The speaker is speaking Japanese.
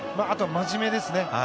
あとは真面目ですね。